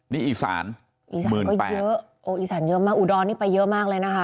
นี่อีสาน๑๘๐๐๐คนอูดอนนี้ไปเยอะมากเลยนะคะ